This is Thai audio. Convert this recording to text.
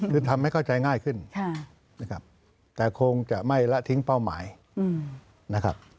คือทำให้เข้าใจง่ายขึ้นนะครับแต่คงจะไม่ละทิ้งเป้าหมายนะครับ